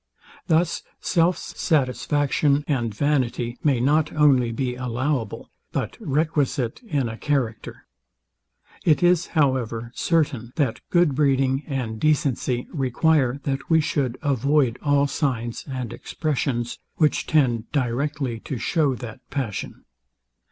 Thus self satisfaction and vanity may not only be allowable, but requisite in a character. It is, however, certain, that good breeding and decency require that we should avoid all signs and expressions, which tend directly to show that passion.